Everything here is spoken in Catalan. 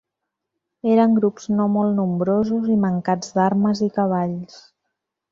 Eren grups no molt nombrosos i mancats d'armes i cavalls.